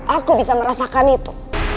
aku bisa merasakan itu